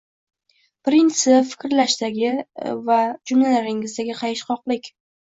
— Birinchisi, fikrlashdagiva va jumlalaringizdagi qayishqoqlik.